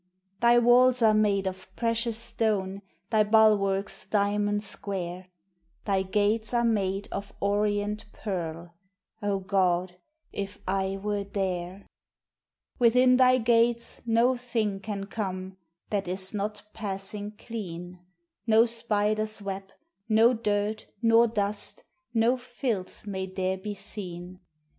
Thy walls are made of precious stone, Thy bulwarks diamond square, Thy gates are made of orient pearl O God! if I were there! Within thy gates no thing can come That is not passing clean; No spider's web, no dirt, nor dust, No filth may there be seen.